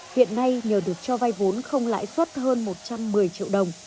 hiện nay nhờ được cho vay vốn không lãi suất hơn một trăm một mươi triệu đồng